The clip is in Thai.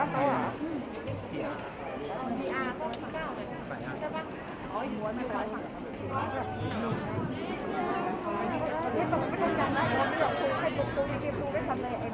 สวัสดีครับ